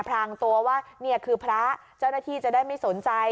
พรางตัวว่านี่คือพระเจ้าหน้าที่จะได้ไม่สนใจ